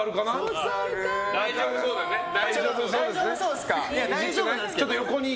大丈夫そうですか？